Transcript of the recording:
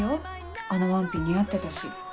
あのワンピ似合ってたし。